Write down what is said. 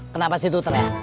kenapa situ terek